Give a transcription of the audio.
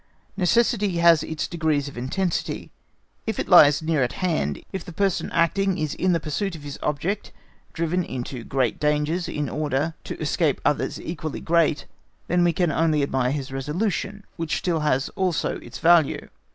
Necessity has its degrees of intensity. If it lies near at hand, if the person acting is in the pursuit of his object driven into great dangers in order to escape others equally great, then we can only admire his resolution, which still has also its value.